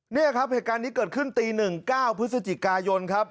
นี่ครับเหตุการณ์นี้เกิดขึ้นตี๑๙พฤศจิกายนครับ